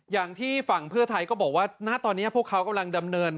อย่างที่ฝั่งเพื่อไทยก็บอกว่าณตอนนี้พวกเขากำลังดำเนิน